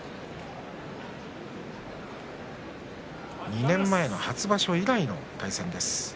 ２年前の初場所以来の対戦です。